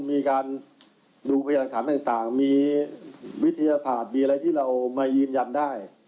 มีการดูพยานหลักฐานต่างมีวิทยาศาสตร์มีอะไรที่เรามายืนยันได้